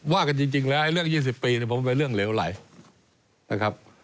ว่ากันจริงแล้วเรื่อง๒๐ปีผมเป็นเรื่องเหลวไหลนะครับ